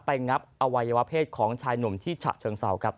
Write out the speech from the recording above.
งับอวัยวะเพศของชายหนุ่มที่ฉะเชิงเศร้าครับ